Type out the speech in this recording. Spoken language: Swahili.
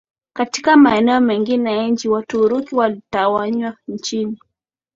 katika maeneo mengine ya nchi Waturuki walitawanywa nchini